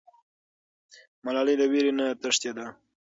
ملالۍ له ویرې نه تښتېده.